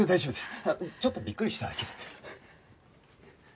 ちょっとびっくりしただけで。